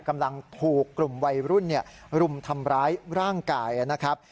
กำลังถูกกลุ่มวัยรุ่นรุมทำร้ายร่างกายนะครับ